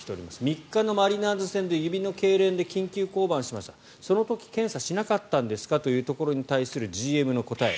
３日のマリナーズ戦で指のけいれんで緊急降板しましたその時検査しなかったんですかというところに対するＧＭの答え